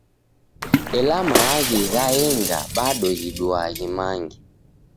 Ela maaghi ghaenga bado ghiduaa ghimange.